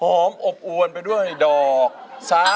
โลกเราทุกวันนี้ที่มีเรื่องกันวุ่นวาย